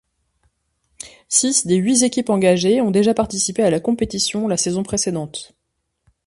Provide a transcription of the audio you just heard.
Six des huit équipes engagées ont déjà participé à la compétition la saison précédente.